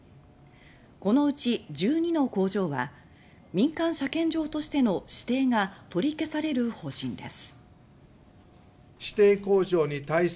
このうち１２の工場は民間車検場としての指定が取り消される方針です。